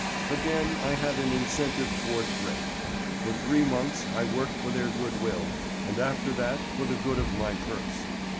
Again I had an incentive toward thrift. For three months I worked for their good will, and after that for the good of my purse.